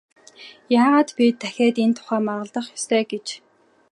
Яагаад бид дахиад энэ тухай маргалдах ёстой гэж?